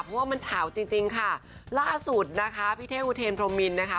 เพราะว่ามันเฉาจริงจริงค่ะล่าสุดนะคะพี่เท่อุเทนพรมมินนะคะ